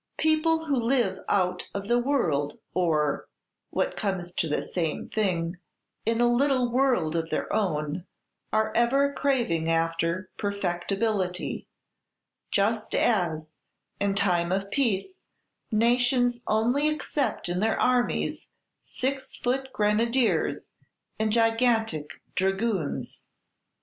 "People who live out of the world, or, what comes to the same thing, in a little world of their own, are ever craving after perfectibility, just as, in time of peace, nations only accept in their armies six foot grenadiers and gigantic dragoons.